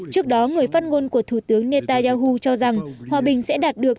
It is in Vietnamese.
trước đó người phát ngôn của thủ tướng netanyahu cho rằng hòa bình sẽ đạt được